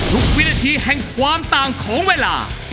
วินาทีแห่งความต่างของเวลา